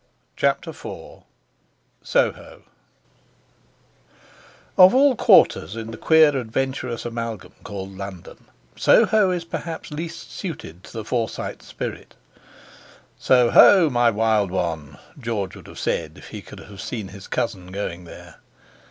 CHAPTER IV SOHO Of all quarters in the queer adventurous amalgam called London, Soho is perhaps least suited to the Forsyte spirit. "So ho, my wild one!" George would have said if he had seen his cousin going there.